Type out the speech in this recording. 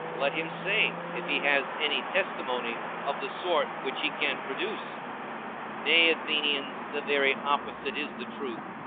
And let him say, if he has any testimony of the sort which he can produce. Nay, Athenians, the very opposite is the truth.